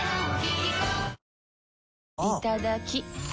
いただきっ！